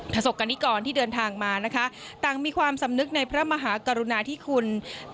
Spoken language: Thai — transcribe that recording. ประสบกันนี้ก่อนที่เดินทางมานะคะต่างมีความสำนึกในพระมหากรุณาที่คุณ